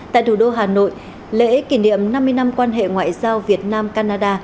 tại thủ đô hà nội lễ kỷ niệm năm mươi năm quan hệ ngoại giao việt nam canada